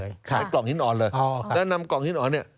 ในกล่องหินอ่อนเลยแล้วนำกล่องหินอ่อนเนี่ย